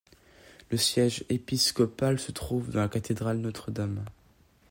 Le siège épiscopal se trouve dans la cathédrale Notre-Dame.